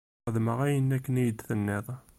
Xedmeɣ ayen akken i yi-d-tenniḍ.